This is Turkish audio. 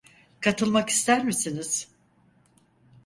Katılmak ister misiniz?